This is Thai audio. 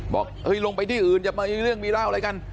บอกลงไปที่อื่นอย่ามามีเรื่องมีเล่าอะไรกัน